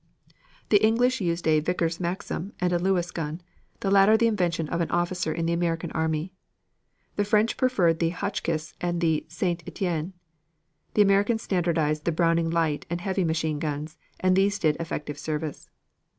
The English used a Vickers Maxim and a Lewis gun, the latter the invention of an officer in the American army. The French preferred the Hotchkiss and the Saint Etienne. The Americans standardized the Browning light and heavy machine guns, and these did effective service.